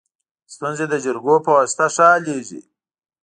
ستونزي د جرګو په واسطه ښه حلیږي.